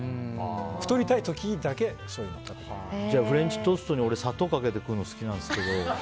太りたい時だけフレンチトーストに砂糖をかけて食べるの好きなんですけど。